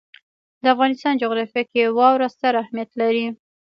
د افغانستان جغرافیه کې واوره ستر اهمیت لري.